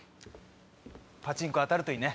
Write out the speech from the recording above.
パチンコ当たるといいね。